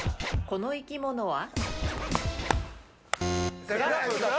この生き物は？